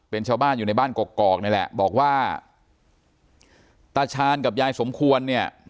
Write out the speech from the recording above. เป็นชาวบ้านอยู่ในบ้านกอกนี่แหละบอกว่าตาชาญกับยายสมควรเนี่ย